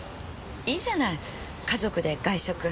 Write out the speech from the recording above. いいじゃない家族で外食。